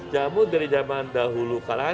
jamu dari zaman dahulu